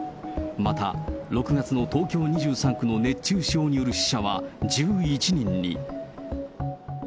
また、６月の東京２３区の熱中症による死者は１１人に。